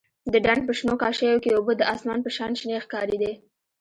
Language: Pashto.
د ډنډ په شنو کاشيو کښې اوبه د اسمان په شان شنې ښکارېدې.